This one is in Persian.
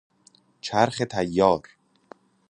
چرخ طیار